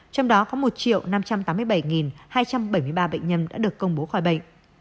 trong đó có một năm trăm tám mươi bảy hai trăm bảy mươi ba bệnh nhân đã được công bố khỏi bệnh